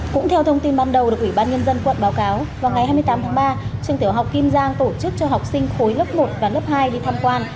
cũng theo thông tin ban đầu được ủy ban nhân dân quận báo cáo vào ngày hai mươi tám tháng ba trường tiểu học kim giang tổ chức cho học sinh khối lớp một và lớp hai đi tham quan